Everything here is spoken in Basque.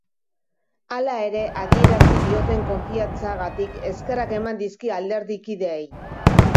Hala ere, adierazi dioten konfiantzagatik eskerrak eman dizkie alderdikideei.